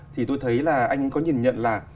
thì tôi thấy là anh có nhìn nhận là